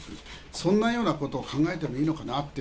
そんなようなことを考えてもいいのかなって。